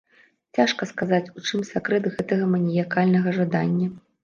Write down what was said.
Цяжка сказаць, у чым сакрэт гэтага маніякальнага жадання.